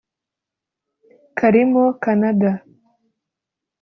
karimo Canada